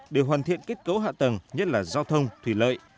để hoàn thiện kết cấu hạ tầng nhất là giao thông thủy lợi